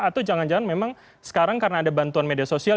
atau jangan jangan memang sekarang karena ada bantuan media sosial